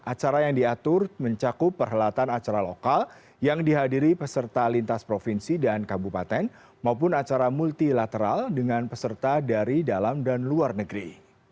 acara yang diatur mencakup perhelatan acara lokal yang dihadiri peserta lintas provinsi dan kabupaten maupun acara multilateral dengan peserta dari dalam dan luar negeri